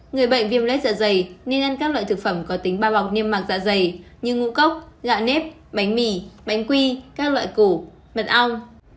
người bệnh viêm lết dạ dày nên ăn các loại thực phẩm có tính bao bọc niêm mạc dạ dày như ngũ cốc lạ nếp bánh mì bánh quy các loại củ mật ong